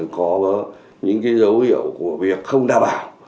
có những dấu hiệu của việc không đảm bảo